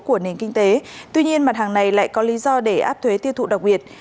của nền kinh tế tuy nhiên mặt hàng này lại có lý do để áp thuế tiêu thụ đặc biệt